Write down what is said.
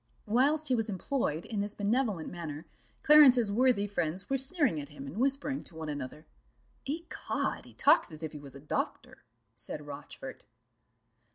Whilst he was employed in this benevolent manner, Clarence's worthy friends were sneering at him, and whispering to one another; "Ecod, he talks as if he was a doctor," said Rochfort.